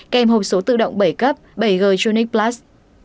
kèm hộp số tự động bảy cấp bảy g tronic plus